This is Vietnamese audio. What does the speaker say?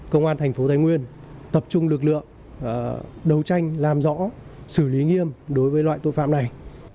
công an thành phố thái nguyên tập trung lực lượng đấu tranh làm rõ xử lý nghiêm đối với loại tội phạm này